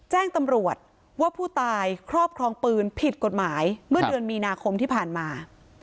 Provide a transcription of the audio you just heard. แจ้งตำรวจว่าผู้ตายครอบครองปืนผิดกฎหมายเมื่อเดือนมีนาคมที่ผ่านมา